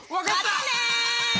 またね！